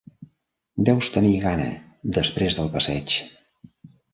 Deus tenir gana després del passeig.